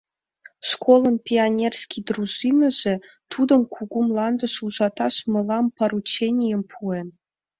Школын пионерский дружиныже тудым Кугу Мландыш ужаташ мылам порученийым пуэн.